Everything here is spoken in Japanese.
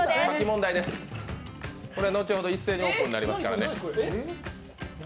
これは後ほど一斉にオープンになりますからね。